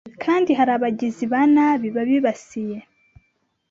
kandi hari abagizi ba nabi babibasiye